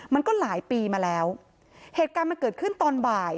มันก็หลายปีมาแล้วเหตุการณ์มันเกิดขึ้นตอนบ่าย